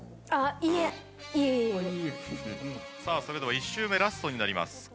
それでは１周目ラストになります。